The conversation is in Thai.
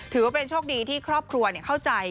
ถือว่าเป็นโชคดีที่ครอบครัวเข้าใจ